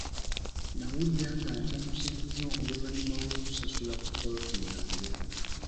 Nawulira nga nkyamuse nnyo oluvannyuma lw'okusasula ku ppoloti yange.